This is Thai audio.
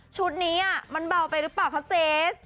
ชุดนี้มันเบาไปหรือเปล่าคะเซส